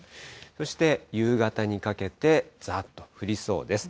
そして夕方にかけて、ざっと降りそうです。